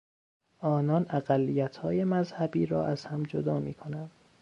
آنان اقلیتهای مذهبی را از هم جدا میکنند.